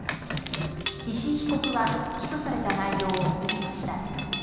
石井被告は起訴された内容を認めました。